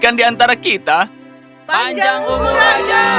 dan bagi antara kita panjang umur raja